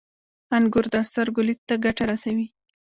• انګور د سترګو لید ته ګټه رسوي.